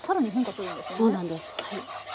そうなんですはい。